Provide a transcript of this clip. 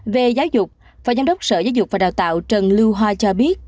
về giáo dục phó giám đốc sở giáo dục và đào tạo trần lưu hoa cho biết